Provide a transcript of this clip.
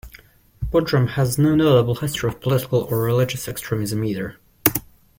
Bodrum has no notable history of political or religious extremism either.